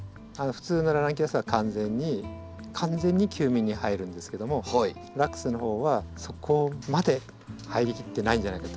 普通のラナンキュラスは完全に完全に休眠に入るんですけどもラックスのほうはそこまで入りきってないんじゃないかと。